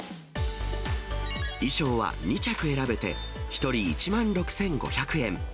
衣装は２着選べて、１人１万６５００円。